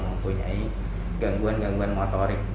mempunyai gangguan gangguan motorik